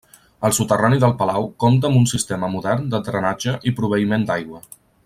El soterrani del palau compta amb un sistema modern de drenatge i proveïment d'aigua.